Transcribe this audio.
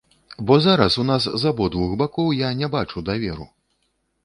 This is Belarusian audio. Бо зараз у нас з абодвух бакоў я не бачу даверу.